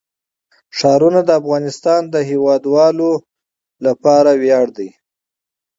ښارونه د افغانستان د هیوادوالو لپاره ویاړ دی.